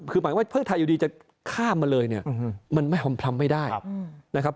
คือหมายว่าเพื่อไทยอยู่ดีจะข้ามมาเลยเนี่ยมันไม่หอมพร้ำไม่ได้นะครับ